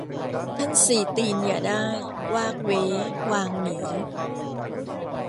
ท่านสี่ตีนอย่าได้ วากเว้วางหนี